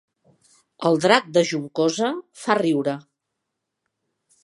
El drac de Juncosa fa riure